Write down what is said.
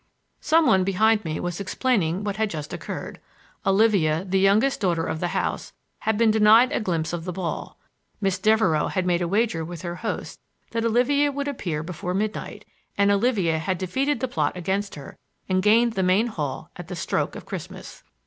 Some one behind me was explaining what had just occurred. Olivia, the youngest daughter of the house, had been denied a glimpse of the ball; Miss Devereux had made a wager with her host that Olivia would appear before midnight; and Olivia had defeated the plot against her, and gained the main hall at the stroke of Christmas.